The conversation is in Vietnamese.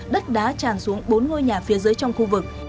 đất đá tràn xuống bốn ngôi nhà phía dưới trong khu vực